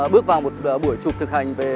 bước vào một buổi chụp thực hành về